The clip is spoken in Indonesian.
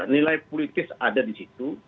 nilai politis ada di situ